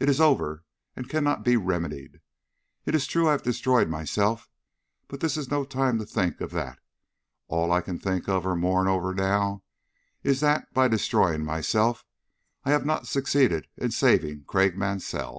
It is over and cannot be remedied. It is true I have destroyed myself, but this is no time to think of that. All I can think of or mourn over now is that, by destroying myself, I have not succeeded in saving Craik Mansell."